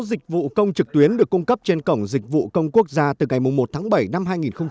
sáu dịch vụ công trực tuyến được cung cấp trên cổng dịch vụ công quốc gia từ ngày một tháng bảy năm hai nghìn hai mươi